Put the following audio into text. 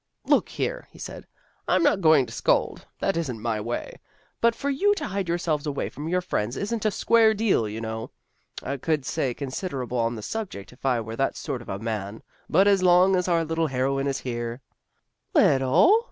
" Look here," he said. " I'm not going to scold. That isn't my way. But for you to hide yourselves away from your friends isn't a square deal, you know. I could say consider able on the subject if I were that sort of a man. But as long as our little heroine here " AN UNEXPECTED VISITOR 341 " Little!